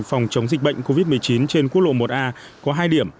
phòng chống dịch bệnh covid một mươi chín trên quốc lộ một a có hai điểm